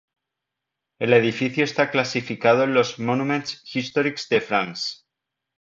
El edificio está clasificado en los "Monuments Historiques de France".